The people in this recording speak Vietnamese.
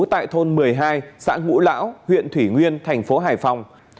tại thôn một mươi hai xã ngũ lão huyện thủy nguyên thành phố hải phòng